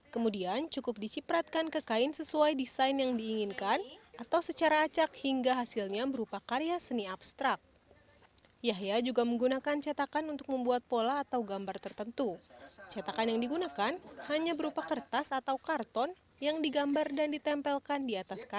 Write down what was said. kalau batik nyere itu kalau batik nyere itu harus memerlukan orang yang ahli